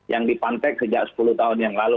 yang dipantek sejak sepuluh tahun yang lalu